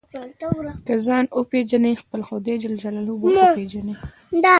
که ځان وپېژنې خپل خدای جل جلاله به وپېژنې.